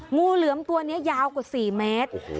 งูเหลือมตัวนี้ยาวกว่า๔เมตร